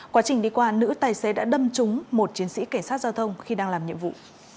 quá trình đi qua nữ tài xế đã đâm trúng một chiến sĩ cảnh sát giao thông khi đang làm nhiệm vụ